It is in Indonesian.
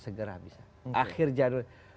segera bisa akhir januari